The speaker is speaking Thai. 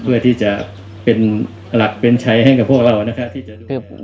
เพื่อที่จะเป็นหลักเป็นใช้ให้กับพวกเรา